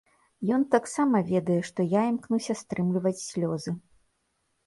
Ён таксама ведае, што я імкнуся стрымліваць слёзы.